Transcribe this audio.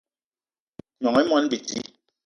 Gnong i moni bidi